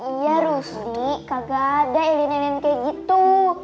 iya rusti kagak ada alien alien kayak gitu